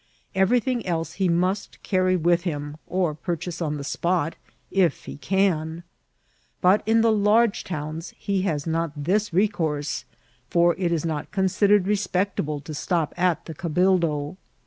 Everything else he must carry with him, or purchase on the spot — ^if he can. But in the large towns he has not this resource, fpi it is not considered respectable to stop at the cabildo.